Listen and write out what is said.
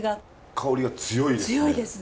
香りが強いですね。